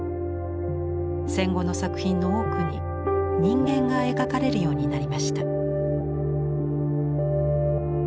戦後の作品の多くに人間が描かれるようになりました。